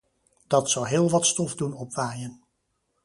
Dat zou heel wat stof doen opwaaien.